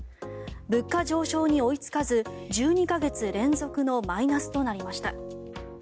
物価上昇に追いつかず１２か月連続のマイナスとなりました。